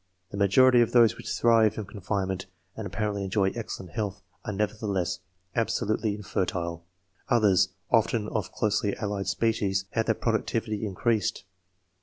The majority of those which thrive in con finement, and apparently enjoy excellent health, are never theless absolutely infertile ; others, often of closely allied species, have their productivity increased.